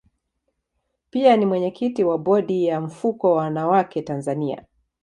Pia ni mwenyekiti wa bodi ya mfuko wa wanawake Tanzania.